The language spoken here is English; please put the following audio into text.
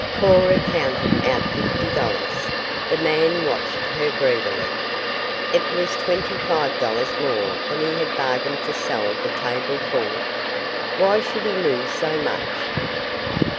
Cora counted out fifty dollars. The man watched her greedily. It was twenty five dollars more than he had bargained to sell the table for. Why should he lose so much?